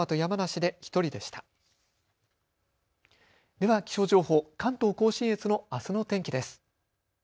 では気象情報関東甲信越のあすの天気です。